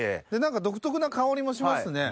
独特な香りもしますね。